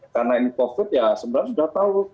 karena ini covid ya sebenarnya sudah tahu